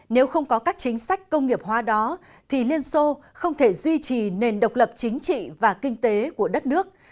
nếu không có các chính sách công nghiệp hóa đó thì liên xô không thể duy trì nền độc lập chính trị và kinh tế của đất nước